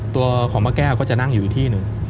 ตัวของป้าแก้วก็จะนั่งอยู่อีกที่หนึ่ง